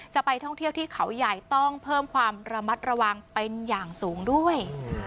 จะไปท่องเที่ยวที่เขาใหญ่ต้องเพิ่มความระมัดระวังเป็นอย่างสูงด้วย